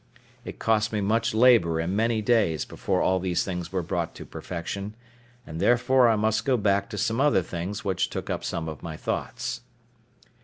It cost me much labour and many days before all these things were brought to perfection; and therefore I must go back to some other things which took up some of my thoughts.